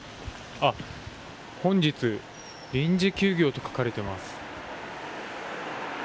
本日、臨時休業と書かれています。